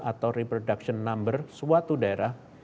atau reproduction number suatu daerah